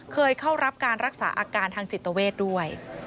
เคยเข้ารับการรักษาอาการทางจิตเวทด้วย